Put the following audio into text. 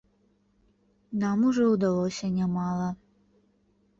Нам ужо ўдалося нямала.